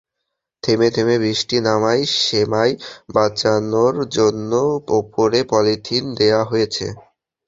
থেমে থেমে বৃষ্টি নামায় সেমাই বাঁচানোর জন্য ওপরে পলিথিন দেওয়া হয়েছে।